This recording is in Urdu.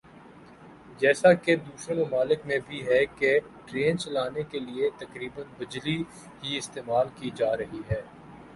جیسا کہ دوسرے ممالک میں بھی ہے کہ ٹرین چلانے کیلئے تقریبا بجلی ہی استعمال کی جارہی ھے